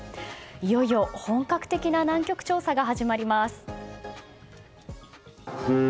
いよいよ本格的な南極調査が始まります。